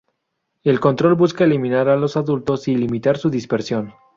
El control busca eliminar a los adultos y limitar su dispersión.